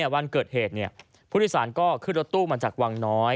วันเกิดเหตุผู้โดยสารก็ขึ้นรถตู้มาจากวังน้อย